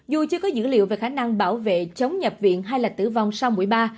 dù chưa có dữ liệu về khả năng bảo vệ chống nhập viện hay là tử vong sau mũi ba